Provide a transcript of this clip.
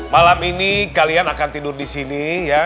malam ini kalian akan tidur di sini ya dan akan ditemani oleh